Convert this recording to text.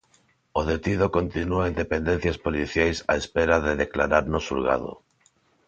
O detido continúa en dependencias policiais á espera de declarar no xulgado.